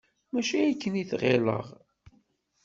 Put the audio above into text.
Mačči akken i t-ɣilleɣ.